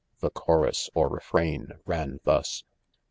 The chorus or "refrain," ran thus.